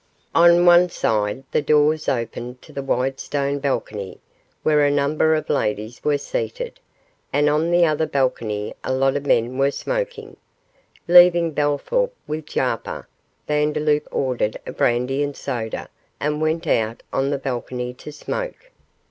On the one side the doors opened on to the wide stone balcony, where a number of ladies were seated, and on the other balcony a lot of men were smoking. Leaving Bellthorp with Jarper, Vandeloup ordered a brandy and soda and went out on the balcony to smoke.